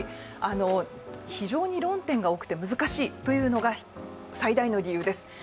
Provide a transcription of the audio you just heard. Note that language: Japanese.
非常に論点が多くて難しいというのが最大の理由です。